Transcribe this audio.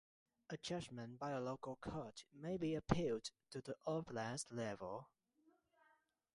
A judgment by a local court may be appealed to the oblast level.